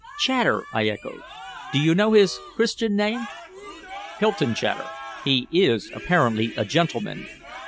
"Chater." I echoed. "Do you know his Christian name?" "Hylton Chater. He is apparently a gentleman.